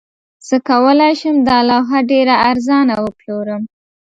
زه کولی شم دا لوحه ډیره ارزانه وپلورم